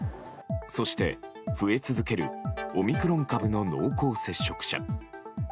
そして、増え続けるオミクロン株の濃厚接触者。